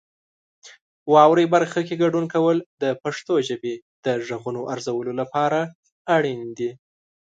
واورئ برخه کې ګډون کول د پښتو ژبې د غږونو ارزولو لپاره اړین دي.